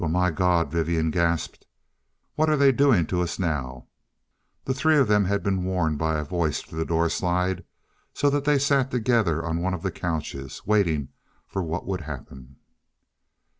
"Well, my Gawd," Vivian gasped. "What're they doin' to us now?" The three of them had been warned by a voice through the doorslide, so that they sat together on one of the couches, waiting for what would happen.